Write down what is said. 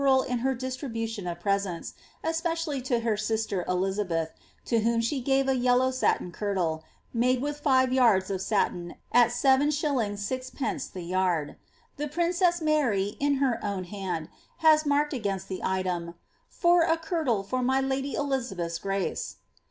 libernl in her distribution of presents^' especiallf to her sister Eliiabefh« to whom she gave a yellow satin kirtle, made with five yards of saiin at Is. 6(/. the yard. The princess Mary, in her own hand, has marked against the item, for a kirtle for my lady Elizabeth's grace."